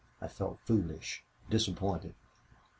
I felt foolish, disappointed.